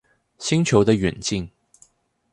星球的遠近